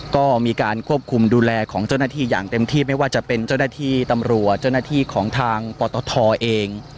ก็มีการควบคุมดูแลของเจ้าหน้าที่อย่างเต็มที่ไม่ว่าจะเป็นเจ้าหน้าที่ตำรวจเจ้าหน้าที่ของทางปตทเอง